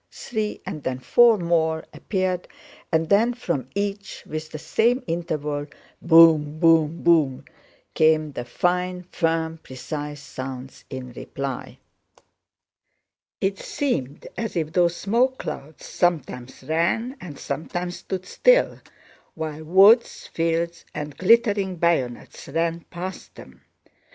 three and then four more appeared and then from each, with the same interval—"boom—boom, boom!" came the fine, firm, precise sounds in reply. It seemed as if those smoke clouds sometimes ran and sometimes stood still while woods, fields, and glittering bayonets ran past them.